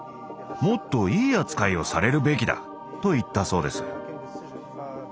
もっといい扱いをされるべきだ」と言ったそうです。